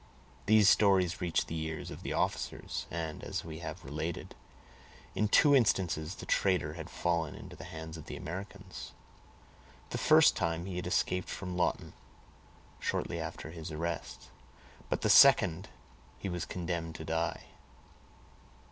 These stories reached the ears of the officers, and, as we have related, in two instances the trader had fallen into the hands of the Americans. The first time he had escaped from Lawton, shortly after his arrest; but the second he was condemned to die.